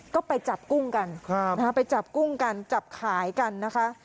ก็ไปจับกุ้งกันไปจับกุ้งกันจับขายกันนะคะ